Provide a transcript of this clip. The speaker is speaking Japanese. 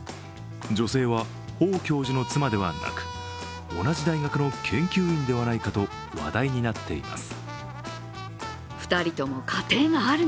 女性は、方教授の妻ではなく同じ大学の研究員ではないかと話題になっています。